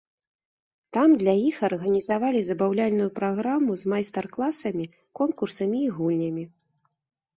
Там для іх арганізавалі забаўляльную праграму з майстар-класамі, конкурсамі і гульнямі.